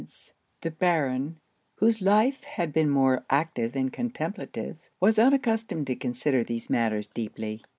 The Baron, whose life had been more active than contemplative, was unaccustomed to consider these matters deeply.